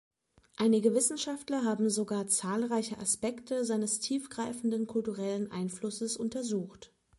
Einige Wissenschaftler haben sogar zahlreiche Aspekte seines tiefgreifenden kulturellen Einflusses untersucht.